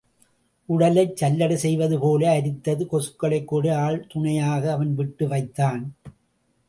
உடலை சல்லடை செய்வதுபோல் அரித்தத கொசுக்களைக்கூட ஆள் துணையாக, அவன் விட்டு வைத்தான்.